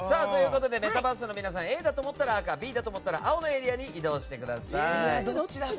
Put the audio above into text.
メタバースの皆さんＡだと思ったら赤Ｂだと思ったら青のエリアにどっちだろう。